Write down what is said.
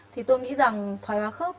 thì tôi nghĩ rằng thoải hóa khớp